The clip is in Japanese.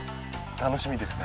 楽しみですね。